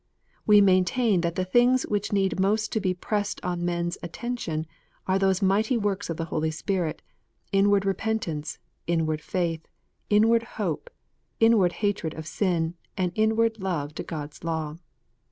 We maintain that the things which need most to be pressed on men s attention are those mighty works of the Holy Spirit, inward repentance, inward faith, inward hope, inward hatred of sin, and inward love to God s law.